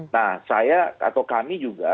nah saya atau kami juga